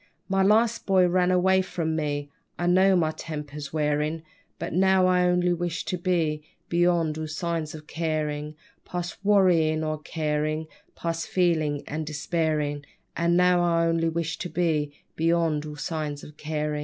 My last boy ran away from me, I know my temper's wearin', But now I only wish to be Beyond all signs of carin'. _Past wearyin' or carin', Past feelin' and despairin'; And now I only wish to be Beyond all signs of carin'.